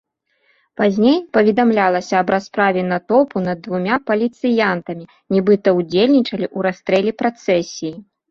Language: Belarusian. Пазней паведамлялася аб расправе натоўпу над двума паліцыянтамі, нібыта ўдзельнічалі ў расстрэле працэсіі.